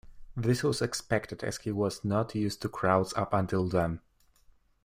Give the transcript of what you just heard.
This was expected, as he was not used to crowds up until then.